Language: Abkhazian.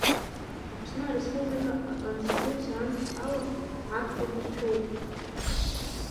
Аԥсны ареспублика Аконституциа амч ала, аԥсуа бызшәоуп.